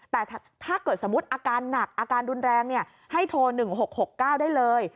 แต่ถ้าเกิดสมมุติอาการหนักอาการรุนแรงให้โทร๑๖๖๙ได้เลย